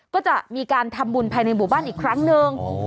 ก็จะมีการทำบุญภัยในบุบันอีกครั้งนึง